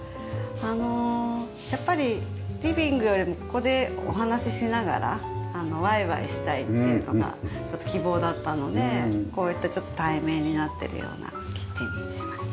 あのやっぱりリビングよりもここでお話ししながらワイワイしたいっていうのが希望だったのでこういった対面になってるようなキッチンにしました。